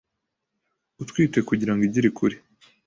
utwite kugirango igi rikure